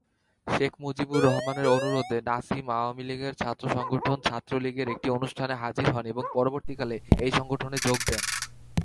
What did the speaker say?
শেখ মুজিবুর রহমানের অনুরোধে নাসিম আওয়ামী লীগের ছাত্র সংগঠন ছাত্রলীগের একটি অনুষ্ঠানে হাজির হন এবং পরবর্তীকালে এই সংগঠনে যোগ দেন।